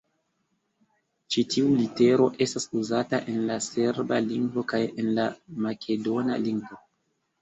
Ĉi tiu litero estas uzata en la serba lingvo kaj en la makedona lingvo.